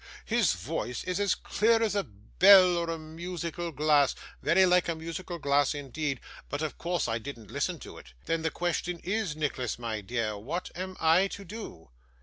His voice is as clear as a bell or a musical glass very like a musical glass indeed but of course I didn't listen to it. Then, the question is, Nicholas my dear, what am I to do?